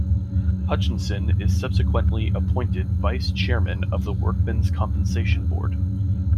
Hutchinson is subsequently appointed vice-chairman of the Workmen's Compensation Board.